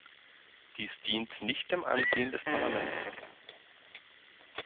Dies dient nicht dem Ansehen des Parlaments!